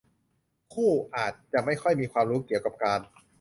คู่อาจจะไม่ค่อยมีความรู้เกี่ยวกับการ